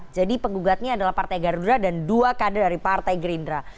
jadi penggugatnya adalah partai garuda dan dua kader dari partai gerindra